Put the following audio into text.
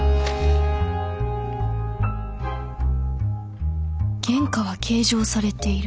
心の声原価は計上されている。